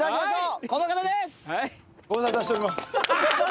ご無沙汰しております。